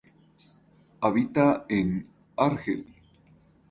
Habita en Argel.